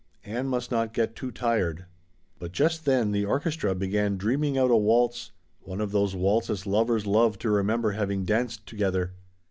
Ann must not get too tired. But just then the orchestra began dreaming out a waltz, one of those waltzes lovers love to remember having danced together.